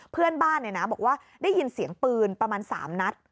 เพื่อนบ้านบอกว่าได้ยินเสียงปืนประมาณ๓นัด